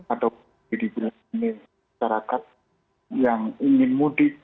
atau di dalam masyarakat yang ingin mudik